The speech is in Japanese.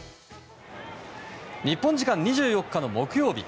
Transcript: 日本時間２４日の木曜日。